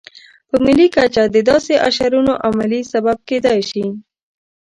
په ملي کچه د داسې اشرونو عملي سبب کېدای شي.